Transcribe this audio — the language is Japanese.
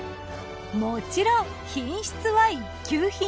もちろん品質は一級品。